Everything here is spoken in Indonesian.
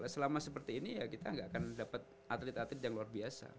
selama seperti ini ya kita nggak akan dapat atlet atlet yang luar biasa